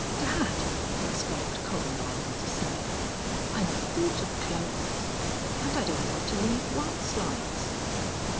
"Dad!" exclaimed Columbine, in dismay. "I never thought of clothes. And I don't want to leave White Slides."